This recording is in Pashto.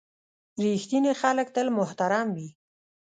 • رښتیني خلک تل محترم وي.